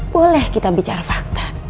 boleh kita bicara fakta